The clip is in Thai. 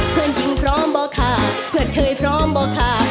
จริงพร้อมบ่ค่ะเพื่อนเคยพร้อมบ่ค่ะ